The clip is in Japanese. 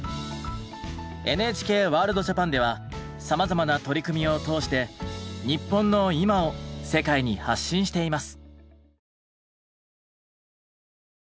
「ＮＨＫワールドＪＡＰＡＮ」ではさまざまな取り組みを通して日本の今を世界に発信しています。